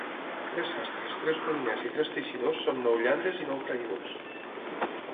Tres sastres, tres moliners i tres teixidors són nou lladres i nou traïdors.